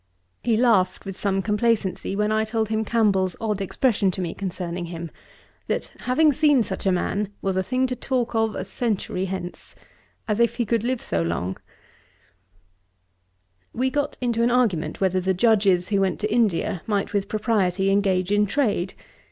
He laughed with some complacency, when I told him Campbell's odd expression to me concerning him: 'That having seen such a man, was a thing to talk of a century hence,' as if he could live so long. We got into an argument whether the Judges who went to India might with propriety engage in trade.